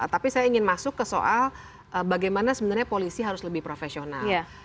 tapi saya ingin masuk ke soal bagaimana sebenarnya polisi harus lebih profesional